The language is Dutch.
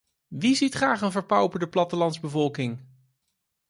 Wie ziet graag een verpauperde plattelandsbevolking?